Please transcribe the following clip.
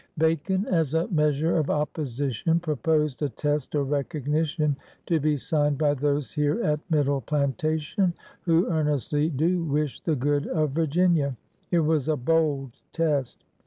Bacon, as a measure of opposition, proposed ^*a test or recognition, " to be signed by those here at Middle Plantation who earnestly do wish the good of Virginia. It was a bold test!